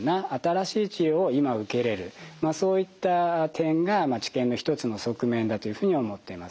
そういった点が治験の一つの側面だというふうに思っています。